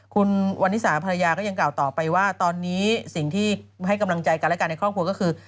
คุณวันนิสาภรรยาก็ยังกล่าวต่อไปว่าตอนนี้สิ่งที่ให้กำลังใจกันและกันในครอบครัวก็คือ